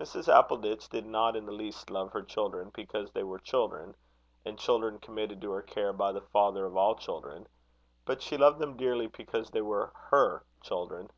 Mrs. Appleditch did not in the least love her children because they were children, and children committed to her care by the Father of all children; but she loved them dearly because they were her children.